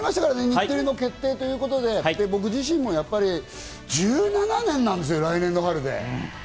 日テレの決定ということで僕自身も１７年なんですよ、来年の春で。